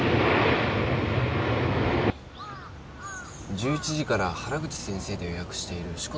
１１時から原口先生で予約している志子田南です。